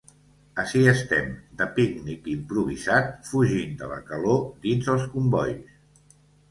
Ací estem, de pícnic improvisat, fugint de la calor dins els combois.